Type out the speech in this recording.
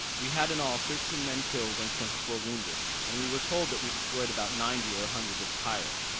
"We had in all thirteen men killed and twenty four wounded; and we were told that we destroyed about ninety or a hundred of the pirates.